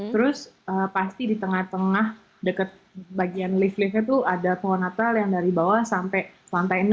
terus pasti di tengah tengah dekat bagian lift liftnya tuh ada pohon natal yang dari bawah sampai lantai enam